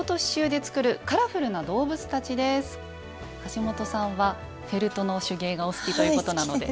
橋本さんはフェルトの手芸がお好きということなので。